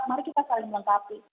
mari kita saling melengkapi